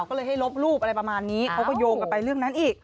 ก็เลยให้ลบรูปอะไรประมาณนี้เขาก็โยงกันไปเรื่องนั้นอีก